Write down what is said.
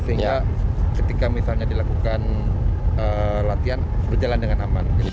sehingga ketika misalnya dilakukan latihan berjalan dengan aman